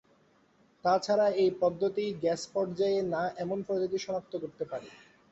তাছাড়া, এই পদ্ধতি গ্যাস-পর্যায়ে না এমন প্রজাতি শনাক্ত করতে পারে না।